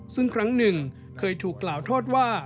ซึ่งครั้งหนึ่งเคยถูกกล่าวโทษว่า